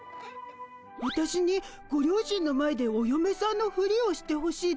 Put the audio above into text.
わたしにご両親の前でおよめさんのフリをしてほしいってこと？